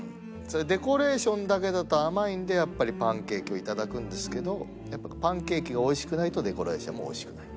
デコレーションだけだと甘いんでやっぱりパンケーキを頂くんですけどやっぱパンケーキが美味しくないとデコレーションも美味しくない。